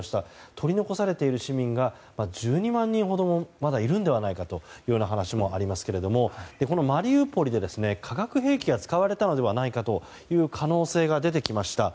取り残されている市民が１２万人ほどまだいるのではないかという話もありますがこのマリウポリで、化学兵器が使われたのではないかという可能性が出てきました。